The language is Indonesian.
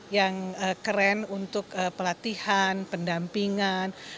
yang keren untuk pelatihan pendampingan